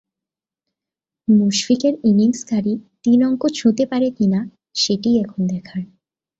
মুশফিকের innings গাড়ি তিন অঙ্ক ছুঁতে পারে কিনা, সেটিই এখন দেখার।